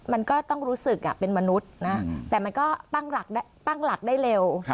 มันก็ต้องรู้สึกเป็นมนุษย์นะแต่มันก็ตั้งหลักได้เร็ว